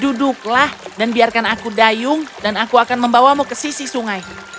duduklah dan biarkan aku dayung dan aku akan membawamu ke sisi sungai